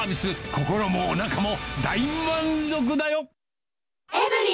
心もおなかも大満足だよ。